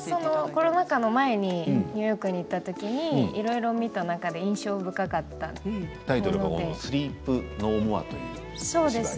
コロナ禍の前にニューヨークに行ったときにいろいろ見た中で印象深かったものです。